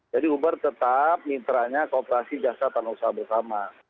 jadi uber tetap mitranya kooperasi jasa tanpa usaha bersama